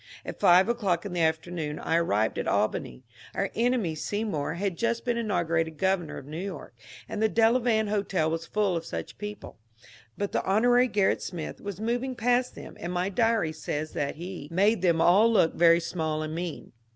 At .five o'clock in the afternoon I arrived at Albany. Our enemy Seymour had just been inaugurated governor of New York, and the Delavan Hotel was full of such people ; but the Hon. Gerrit Smith was moving past them, and my diary says that he ^^ made them all look very small and mean."